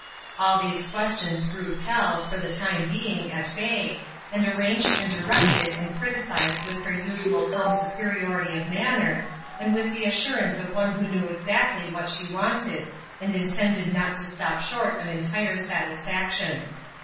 All these questions Ruth held, for the time being, at bay, and arranged and directed and criticised with her usual calm superiority of manner, and with the assurance of one who knew exactly what she wanted, and intended not to stop short of entire satisfaction.